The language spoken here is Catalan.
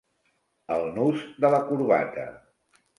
El nus de la corbata.